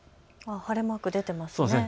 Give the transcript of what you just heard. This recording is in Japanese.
晴れマークが出ていますね。